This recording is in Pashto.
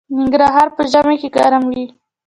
ننګرهار په ژمي کې ګرم وي